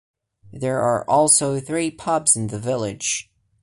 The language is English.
There are also three pubs in the village.